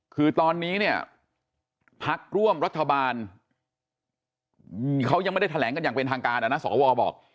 คือตอนนี้เนี่ยพักร่วมรัฐบาลเขายังไม่ได้แถลงกันอย่างเป็นทางการนะสวบอก